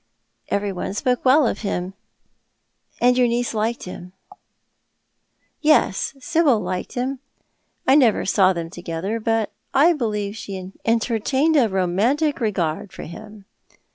Every one spoke well of him "" And your niece liked him ?" "Yes, Sibyl liked him. I never saw them together, but I believe she entertained a romantic regard for him.